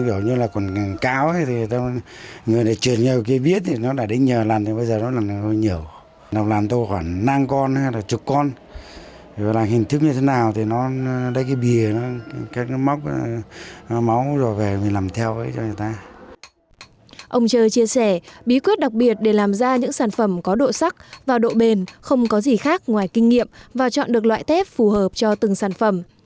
ông chơ chia sẻ bí quyết đặc biệt để làm ra những sản phẩm có độ sắc và độ bền không có gì khác ngoài kinh nghiệm và chọn được loại tép phù hợp cho từng sản phẩm